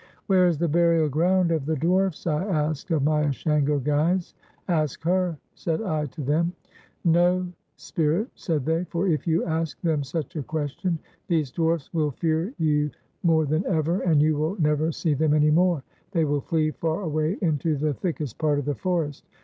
"Where is the burial ground of the dwarfs?" I asked of my Ashango guides. "Ask her," said I to them. "No, Spirit," said they, "for if you ask them such a question, these dwarfs will fear you more than ever, and you will never see them any more. They will flee far away into the thickest part of the forest.